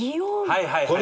はいはい。